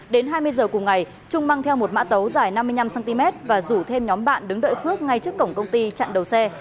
đến hai mươi giờ cùng ngày trung mang theo một mã tấu dài năm mươi năm cm và rủ thêm nhóm bạn đứng đợi phước ngay trước cổng công ty chặn đầu xe